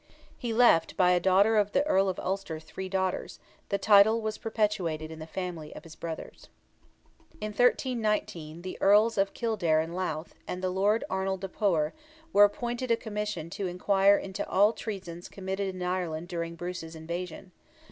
He left by a daughter of the Earl of Ulster three daughters; the title was perpetuated in the family of his brothers. In 1319, the Earls of Kildare and Louth, and the Lord Arnold le Poer, were appointed a commission to inquire into all treasons committed in Ireland during Bruce's invasion.